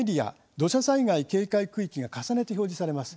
土砂災害警戒区域が重ねて表示されます。